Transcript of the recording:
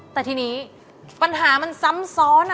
แต่ทีนี้ปัญหามันซ้ำซ้อน